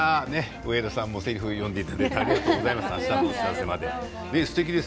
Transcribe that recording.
上田さんもせりふを読んでいただいてありがとうございます。